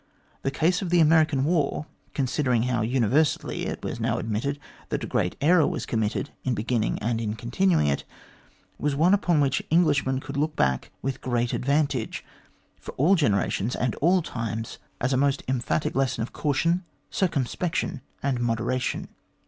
The case of the American war considering how universally it was now admitted that a great error was committed in beginning and in continuing it /was one upon which Englishmen could look back with great advantage, for all generations and all times, as a 266 THE GLADSTONE COLONY most emphatic lesson of caution, circumspection, and moderation.